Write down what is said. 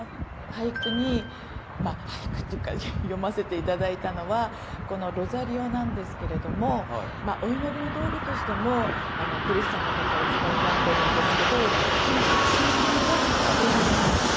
俳句にまあ俳句っていうか詠ませて頂いたのはこのロザリオなんですけれどもお祈りの道具としてもクリスチャンの方お使いになってるんですけど手編み？